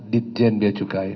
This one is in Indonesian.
di jn biacukai